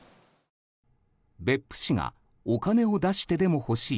別府市がお金を出してでも欲しい